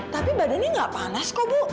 tapi badannya nggak panas kok bu